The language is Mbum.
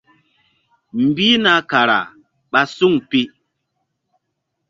Mbihna kara ɓa suŋ pi.